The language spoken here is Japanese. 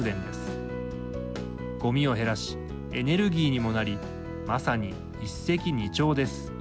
ゴミを減らしエネルギーにもなりまさに一石二鳥です。